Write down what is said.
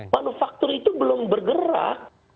manufaktur itu belum bergerak